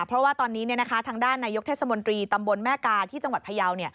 เพราะว่าตอนนี้ทางด้านนายกเทศมนตรีตำบลแม่กาที่จังหวัดพยาว